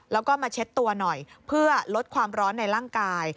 แล้วก็มาเช็ดตัวหน่อยเพื่อลดความร้อนในร่างกาย